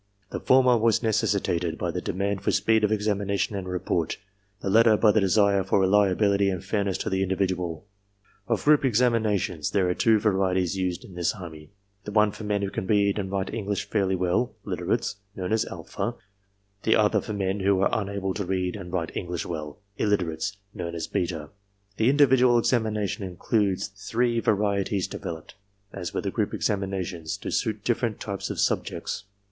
The former was necessitated by the demand for speed of examination and report, the latter by the desire for reliability and fairness to the individual. Of group examinations, there are two varieties used in the Army; the one for men who can read and write English fairly well (literates), known as alpha; the other for men who are unable to read and write English well (illiterates), known as beta. The individual examination includes three varieties de veloped, as were the group examinations, to suit different types of subjects.